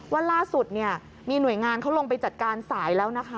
ว่าล่าสุดเนี่ยมีหน่วยงานเขาลงไปจัดการสายแล้วนะคะ